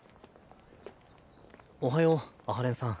おはよう阿波連さん。